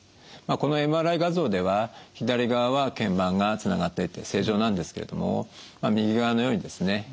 このＭＲＩ画像では左側は腱板がつながっていて正常なんですけれども右側のようにですね